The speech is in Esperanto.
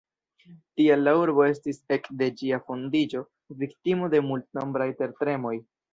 Tial la urbo estis ek de ĝia fondiĝo viktimo de multnombraj tertremoj.